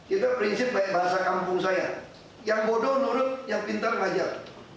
itu prinsip bahasa kampung saya yang bodoh nurut yang pintar ngajar